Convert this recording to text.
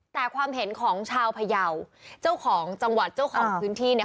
แต่ความเห็นของชาวพยาวเจ้าของจังหวัดเจ้าของพื้นที่